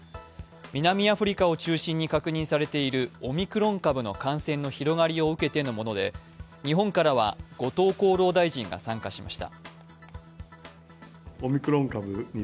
南アフリカを中心に確認されているオミクロン株の感染の広がりを受けてのもので、日本からは後藤厚労大臣が参加しました。